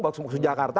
bahkan semua di jakarta